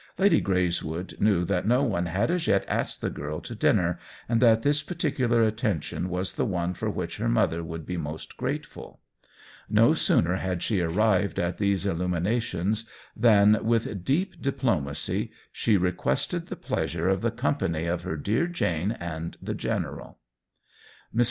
Lady Greyswood knew that no one had as yet asked the girl to dinner, and that this particular attention was the one for which her mother would be most grateful. No sooner had she arrived at these illuminations than, with deep diplo macy, she requested the pleasure of the company of her dear Jane and the General. Mrs.